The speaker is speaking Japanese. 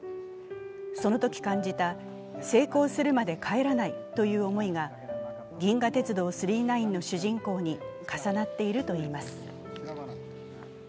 そのとき感じた成功するまで帰らないという思いが「銀河鉄道９９９」の主人公に重なっているといいます。